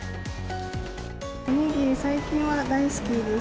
おにぎり、最近は大好きです。